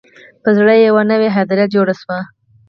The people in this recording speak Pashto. په زړه یې یوه نوي هدیره جوړه شوه